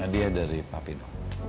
dia dari papi dong